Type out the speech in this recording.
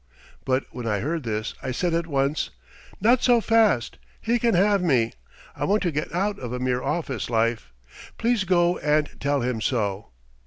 But when I heard this I said at once: "Not so fast. He can have me. I want to get out of a mere office life. Please go and tell him so."